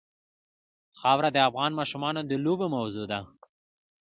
خاوره د افغان ماشومانو د لوبو موضوع ده.